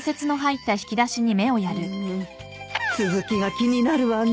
うーん続きが気になるわね